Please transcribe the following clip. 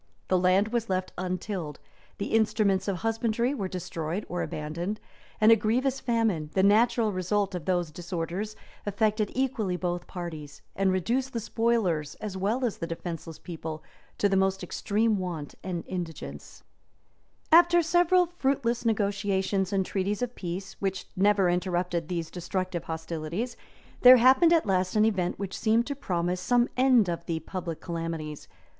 The land was left untilled; the instruments of husbandry were destroyed or abandoned; and a grievous famine, the natural result of those disorders, affected equally both parties, and reduced the spoilers, as well as the defenceless people, to the most extreme want and indigence.[*] [* Chron. Sax, p. 238. W. Malms, p. 185. Gest. Steph. p. 961.] {1140.} After several fruitless negotiations and treaties of peace, which never interrupted these destructive hostilities, there happened at last an event which seemed to promise some end of the public calamities.